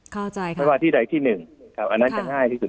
ไม่ว่าที่ใดที่นึงอันนั้นจะง่ายที่สุด